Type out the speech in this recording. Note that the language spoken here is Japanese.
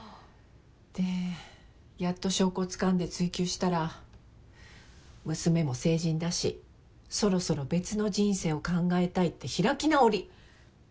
でやっと証拠をつかんで追及したら娘も成人だしそろそろ別の人生を考えたいって開き直り。